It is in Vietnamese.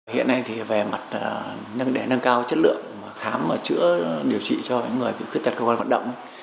hiện nay về mặt nâng cao chất lượng khám chữa điều trị cho người bị khuyết tật cơ quan vận động